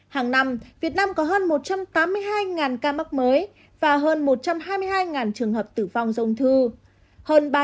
hàng năm việt nam có hơn một trăm tám mươi hai ca mắc mới và hơn một trăm hai mươi hai trường hợp tử vong do ung thư